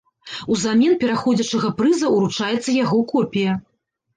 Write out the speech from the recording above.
Узамен пераходзячага прыза ўручаецца яго копія.